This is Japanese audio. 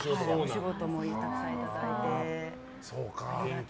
お仕事もたくさんいただいて。